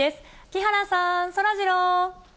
木原さん、そらジロー。